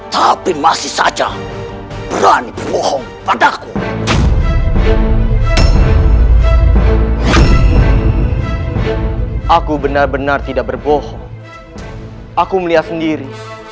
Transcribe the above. tapi masih saja berani bohong padaku aku benar benar tidak berbohong aku melihat sendiri